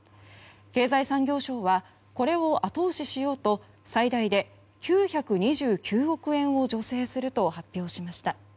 経済産業省はこれを後押ししようと最大で９２９億円を助成すると発表しました。